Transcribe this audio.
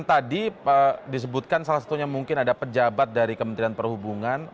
dan tadi disebutkan salah satunya mungkin ada pejabat dari kementerian perhubungan